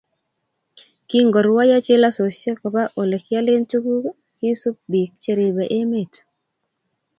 kingorwoiyo chelososyek koba olegiale tuguk, kisuup biik cheribe emet